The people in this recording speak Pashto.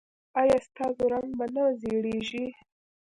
ایا ستاسو رنګ به نه زیړیږي؟